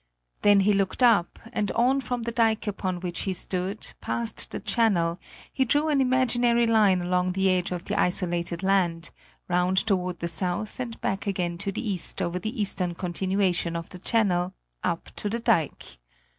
Then he looked up, and on from the dike upon which he stood, past the channel, he drew an imaginary line along the edge of the isolated land, round toward the south and back again to the east over the eastern continuation of the channel, up to the dike.